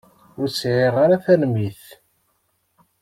Ur sɛiɣ ara tarmit.